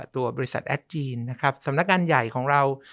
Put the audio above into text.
ตัวบริษัทแอดจีนนะครับสำนักงานใหญ่ของเรา